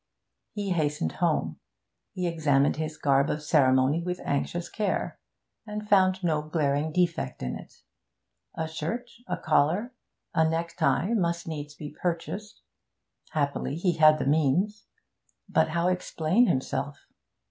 He hastened home; he examined his garb of ceremony with anxious care, and found no glaring defect in it. A shirt, a collar, a necktie must needs be purchased; happily he had the means. But how explain himself?